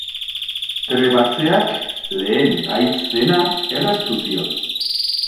Trebatzeak lehen gaitz zena erraztu zion.